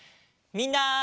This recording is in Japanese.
みんな。